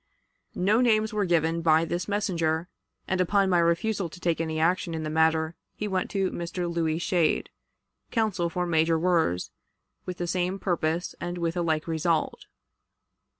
No names were given by this messenger, and, upon my refusal to take any action in the matter, he went to Mr. Louis Schade, counsel for Major Wirz, with the same purpose and with a like result.